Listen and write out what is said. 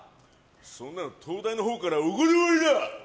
そんなの東大のほうからお断りだ！